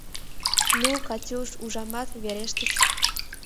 Ну, Катюш, ужамат, верештыч.